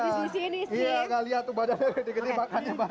di sini sih lihat tuh badannya kecil makanya bahasa